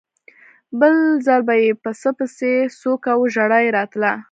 بل ځل به یې پسه پسې څو کاوه ژړا یې راتله.